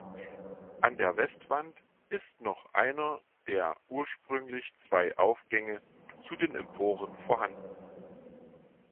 An der Westwand ist noch einer der ursprünglich zwei Aufgänge zu den Emporen vorhanden.